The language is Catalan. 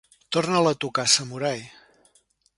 Torna-la a tocar, samurai.